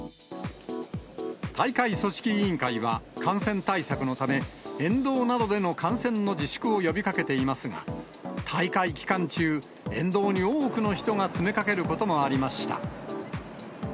大会組織委員会は、感染対策のため、沿道などでの観戦の自粛を呼びかけていますが、大会期間中、沿道に多くの人が詰めかけることもありました。